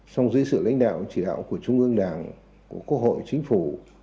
song dưới sự lãnh đạo chỉ đạo của trung ương đảng của quốc hội chính phủ